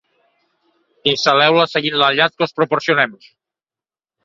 Instal·leu-les seguint l'enllaç que us proporcionem.